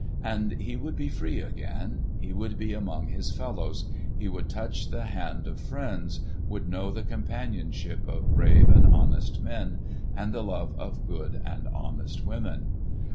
And he would be free again; he would be among his fellows; he would touch the hand of friends, would know the companionship of brave and honest men and the love of good and honest women.